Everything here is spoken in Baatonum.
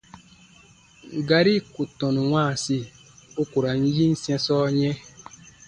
Gari ku tɔnu wãasi, u ku ra n yin sɛ̃sɔ yɛ̃.